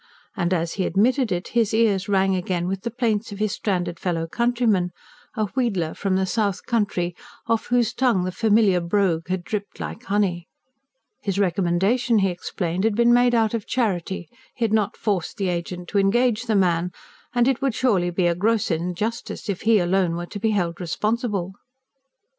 And, as he admitted it, his ears rang again with the plaints of his stranded fellow countryman, a wheedler from the South Country, off whose tongue the familiar brogue had dripped like honey. His recommendation, he explained, had been made out of charity; he had not forced the agent to engage the man; and it would surely be a gross injustice if he alone were to be held responsible.